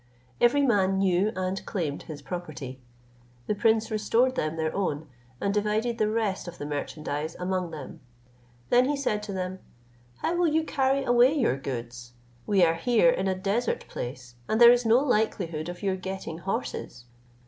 Every man knew and claimed his property. The prince restored them their own, and divided the rest of the merchandise among them. Then he said to them, "How will you carry away your goods? We are here in a desert place, and there is no likelihood of your getting horses."